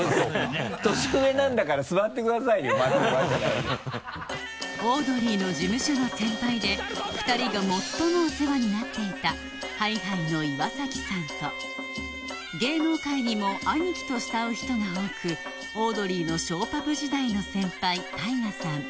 年上なんだから座ってくださいよオードリーの事務所の先輩で２人が最もお世話になっていたＨｉーＨｉの岩崎さんと芸能界にもアニキと慕う人が多くオードリーのショーパブ時代の先輩ＴＡＩＧＡさん